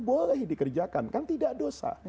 boleh dikerjakan kan tidak dosa